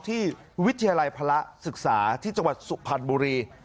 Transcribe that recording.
วิทยาลัยพระศึกษาที่จังหวัดสุพรรณบุรี